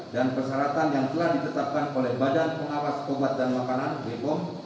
dan persyaratan yang telah ditetapkan oleh badan pengawas obat dan makanan